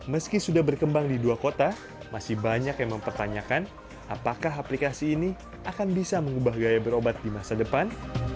meski sudah berkembang di dua kota masih banyak yang mempertanyakan apakah aplikasi ini akan bisa mengubah gaya berobat di masa depan